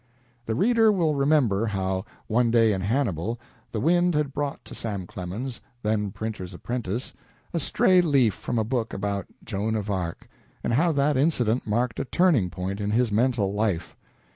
The reader will remember how, one day in Hannibal, the wind had brought to Sam Clemens, then printer's apprentice, a stray leaf from a book about "Joan of Arc," and how that incident marked a turning point in his mental life.